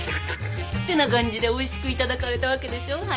ってな感じでおいしくいただかれたわけでしょ？